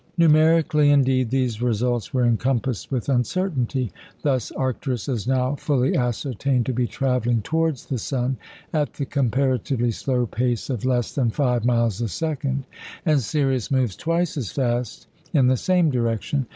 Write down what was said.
Numerically, indeed, these results were encompassed with uncertainty. Thus, Arcturus is now fully ascertained to be travelling towards the sun at the comparatively slow pace of less than five miles a second; and Sirius moves twice as fast in the same direction.